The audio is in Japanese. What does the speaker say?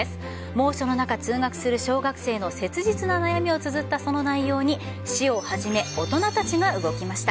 猛暑の中、通学する小学生の切実な悩みをつづったその内容に、市をはじめ大人たちが動きました。